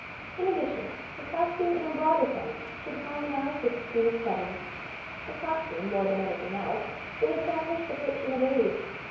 In addition, the costume in a broader sense should harmonize with the scenic setting. The costume, more than anything else, will estab lish the fiction of age.